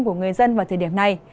của người dân vào thời điểm này